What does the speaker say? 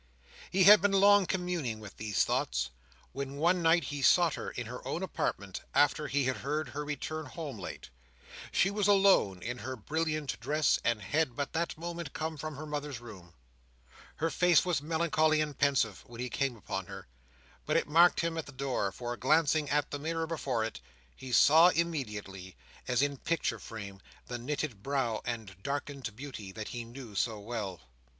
He had been long communing with these thoughts, when one night he sought her in her own apartment, after he had heard her return home late. She was alone, in her brilliant dress, and had but that moment come from her mother's room. Her face was melancholy and pensive, when he came upon her; but it marked him at the door; for, glancing at the mirror before it, he saw immediately, as in a picture frame, the knitted brow, and darkened beauty that he knew so well.